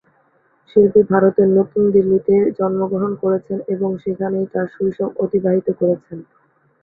শিল্পী ভারতের নতুন দিল্লিতে জন্মগ্রহণ করেছেন এবং সেখানেই তাঁর শৈশব অতিবাহিত করেছেন।